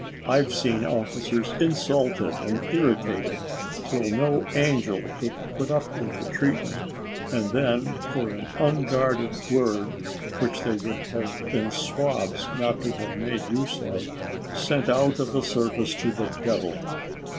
I've seen officers insulted and irritated, till no angel could put up with the treatment and then for an unguarded word, which they would have been swabs not to have made use of, sent out of the service to the devil."